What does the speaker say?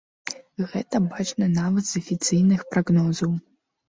Гэта бачна нават з афіцыйных прагнозаў.